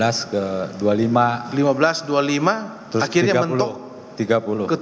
lima belas dua puluh lima akhirnya mentok ke tiga puluh